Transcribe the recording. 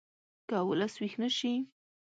که ولس ویښ نه شي